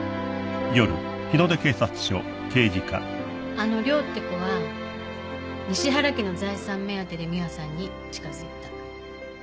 あの涼って子は西原家の財産目当てで美羽さんに近づいた。